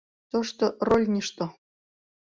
— Тошто рольньышто.